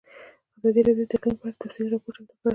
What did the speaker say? ازادي راډیو د اقلیم په اړه تفصیلي راپور چمتو کړی.